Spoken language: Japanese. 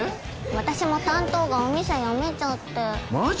私も担当がお店辞めちゃってマジ？